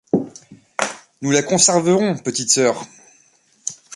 Nous la conserverons, petite sœur !